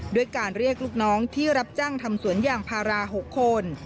ด้วยการเรียกลูกน้องที่รับจ้างทำสวนยางพารา๖คน